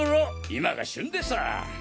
今が旬でさァ！